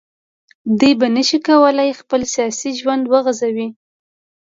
دوی به نه شي کولای خپل سیاسي ژوند وغځوي